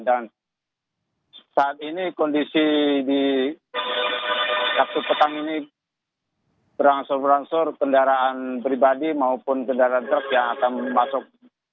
dan saat ini kondisi di waktu petang ini berangsur berangsur kendaraan pribadi maupun kendaraan truk yang akan masuk